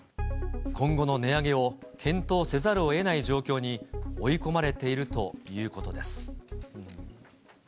今後の値上げを検討せざるをえない状況に追い込まれているということです。